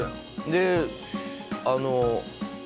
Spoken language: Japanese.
であの。